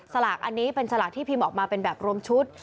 สลากอันนี้เป็นสลากที่พิมพ์ออกมาเป็นแบบรวมชุด